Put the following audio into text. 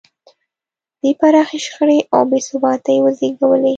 دې پراخې شخړې او بې ثباتۍ وزېږولې.